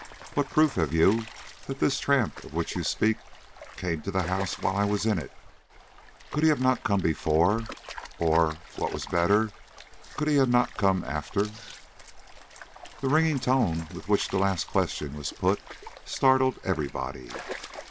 What proof have you that this tramp of which you speak came to the house while I was in it? Could he not have come before? Or, what was better, could he not have come after?" The ringing tone with which the last question was put startled everybody.